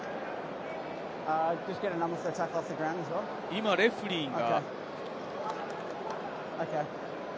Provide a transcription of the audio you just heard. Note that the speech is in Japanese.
今、レフェリーが。